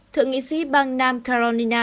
thượng nghị sĩ bang nam carolina